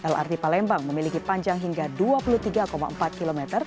lrt palembang memiliki panjang hingga dua puluh tiga empat km